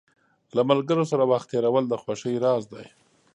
له ملګرو سره وخت تېرول د خوښۍ راز دی.